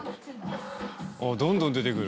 どんどん出てくる。